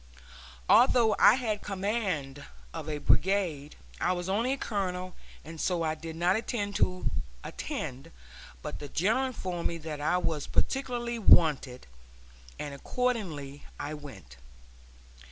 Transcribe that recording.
Although I had command of a brigade, I was only a colonel, and so I did not intend to attend, but the General informed me that I was particularly wanted, and accordingly I went.